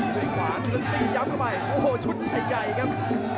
สุดท้ายขวานสุดที่ย้ำลงไปโอ้โหชุดใจใหญ่ครับ